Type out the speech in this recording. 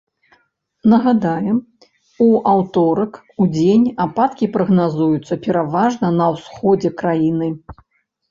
Нагадаем, у аўторак удзень ападкі прагназуюцца пераважна на ўсходзе краіны.